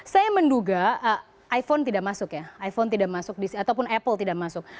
saya menduga iphone tidak masuk ya ataupun apple tidak masuk